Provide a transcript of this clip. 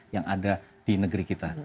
yang ada di negeri kita